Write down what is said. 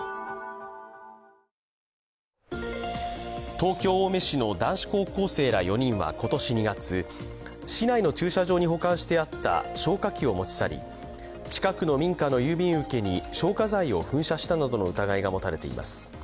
東京・青梅市の男子高校生ら４人は今年２月、市内の駐車場に保管してあった消火器を持ち去り近くの民家の郵便受けに消火剤を噴射したなどの疑いが持たれています。